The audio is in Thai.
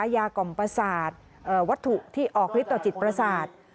ยากล่อมประสาทวัตถุที่ออกฤทธิต่อจิตประสาท